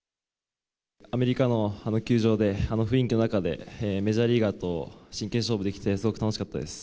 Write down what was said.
アメリカのあの球場で、あの雰囲気の中で、メジャーリーガーと真剣勝負できて、すごく楽しかったです。